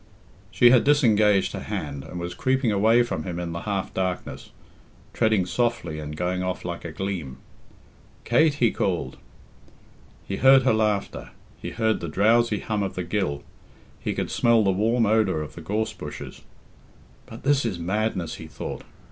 She had disengaged her hand, and was creeping away from him in the half darkness, treading softly and going off like a gleam. "Kate!" he called. He heard her laughter, he heard the drowsy hum of the gill, he could smell the warm odour of the gorse bushes. "But this is madness," he thought.